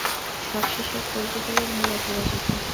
সব-শেষের ফুলটি হল নীল অপরাজিতা।